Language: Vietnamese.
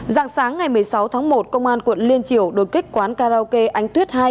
dạng sáng ngày một mươi sáu tháng một công an quận liên triều đột kích quán karaoke ánh tuyết hai